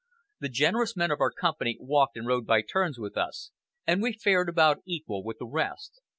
The generous men of our company walked and rode by turns with us, and we fared about equal with the rest.